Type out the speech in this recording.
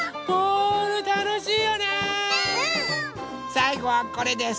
さいごはこれです。